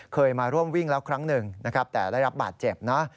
เคยมาร่วมวิ่งแล้วครั้งหนึ่งนะครับแต่ได้รับบาดเจ็บนะ